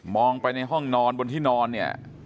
ไปในห้องนอนบนที่นอนเนี่ย